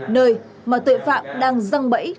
nơi mà tội phạm đang răng bẫy